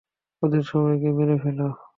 ওদের সবাইকে মেরে ফেলো!